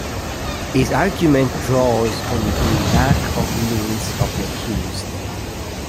His argument draws on the lack of means of the accused.